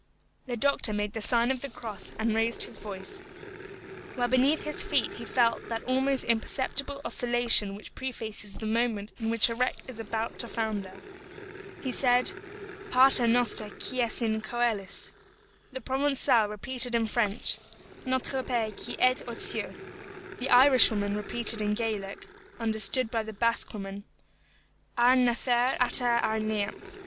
The doctor made the sign of the cross and raised his voice, while beneath his feet he felt that almost imperceptible oscillation which prefaces the moment in which a wreck is about to founder. He said, "Pater noster qui es in coelis." The Provençal repeated in French, "Notre Père qui êtes aux cieux." The Irishwoman repeated in Gaelic, understood by the Basque woman, "Ar nathair ata ar neamh."